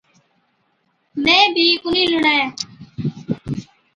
مين بِي ڪونهِِي لُڻَين۔